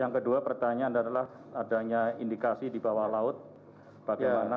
yang kedua pertanyaan adalah adanya indikasi di bawah laut bagaimana